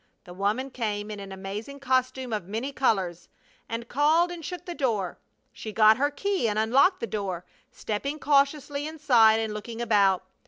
The woman came in an amazing costume of many colors, and called and shook the door. She got her key and unlocked the door, stepping cautiously inside and looking about.